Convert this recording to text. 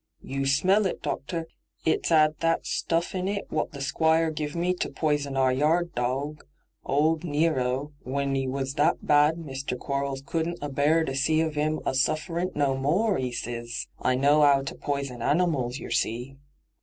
' You smell it, doctor ; it's 'ad that stuff in hyGoo>^lc I ENTRAPPED 53 it wot the Sqaoire ^v me to poison our yard dawg — old Nero^w'en he was that bad Mr. Quarles couldn't a bear to see of 'im a Bufferint no more, 'e ses. I knows *ow to poison animals, yer see.'